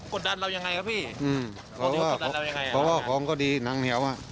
กดดันเรายังไงครับพี่เพราะว่าของก็ดีหนังเหนียว